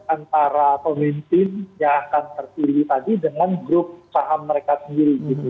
antara pemimpin yang akan terpilih tadi dengan grup saham mereka sendiri